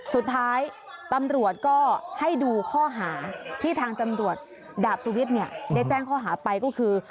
สุดท้ายตำรวจก็ให้ดูข้อหาที่ทางจำรวจดาบสุวิทย์เนี่ยได้แจ้งข้อหาไปก็คือ